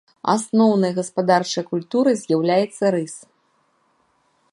Асноўнай гаспадарчай культурай з'яўляецца рыс.